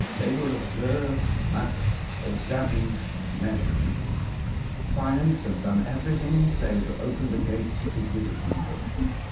They were observed, mapped, examined, measured. Science had done every thing, save open the gates to visiting them.